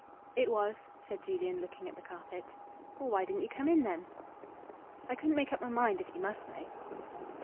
"It was," said Julian, looking at the carpet. "Well, why didn't you come in then?" "I couldn't make up my mind, if you must know."